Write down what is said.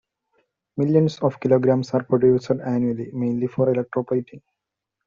Millions of kilograms are produced annually, mainly for electroplating.